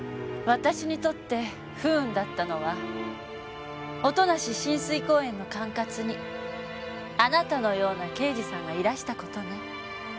私にとって不運だったのは音無親水公園の管轄にあなたのような刑事さんがいらした事ね。